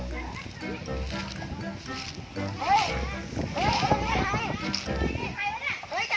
เมื่อ